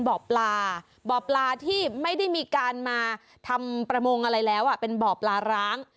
บ่อปลาบ่อปลาที่ไม่ได้มีการมาทำประมงอะไรแล้วเป็นบ่อปลาร้าง